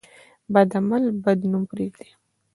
بد عمل بد نوم پرېږدي.